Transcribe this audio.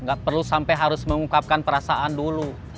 gak perlu sampai harus mengungkapkan perasaan dulu